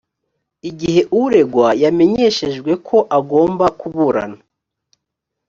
igihe uregwa yamenyeshejwe ko agomba kuburana